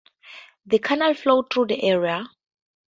The canal flows through the area.